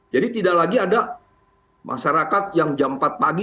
jadi tidak lagi ada masyarakat yang jam empat pagi